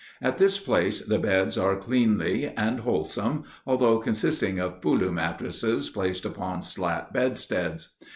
At this place the beds are cleanly and wholesome, although consisting of pulu mattresses placed upon slat bedsteads.